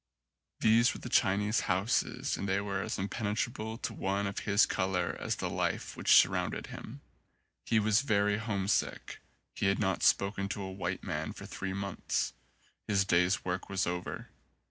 These were the Chinese houses and they were as impene trable to one of his colour as the life which sur rounded him. He was very homesick. He had not spoken to a white man for three months. His day's work was over.